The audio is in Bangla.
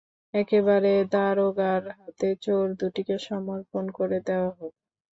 একেবারে দারোগার হাতে চোর দুটিকে সমর্পণ করে দেওয়া হোক।